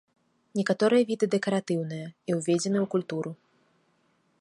Некаторыя віды дэкаратыўныя і ўведзены ў культуру.